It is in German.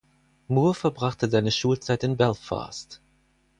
Moore verbrachte seine Schulzeit in Belfast.